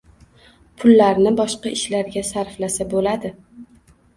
– pullarni boshqa ishlarga sarflasa bo‘ladi.